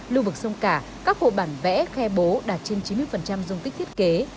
lưu vực sông cả các hồ bản vẽ khe bố đạt trên chín mươi dung tích thiết kế